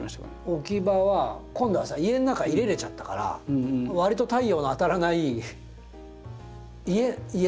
置き場は今度はさ家の中に入れれちゃったからわりと太陽の当たらない家の所に並んでた。